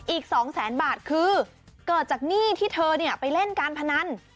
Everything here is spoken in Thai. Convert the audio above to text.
อีก๒แสนบาทคือเกิดจากหนี้ที่เธอไปเล่นการพนัน